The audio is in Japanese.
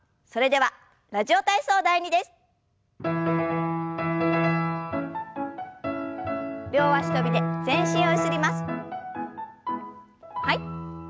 はい。